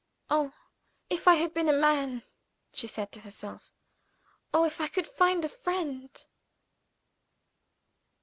"Oh, if I had been a man!" she said to herself. "Oh, if I could find a friend!"